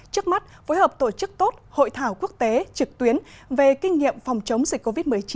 trước mắt phối hợp tổ chức tốt hội thảo quốc tế trực tuyến về kinh nghiệm phòng chống dịch covid một mươi chín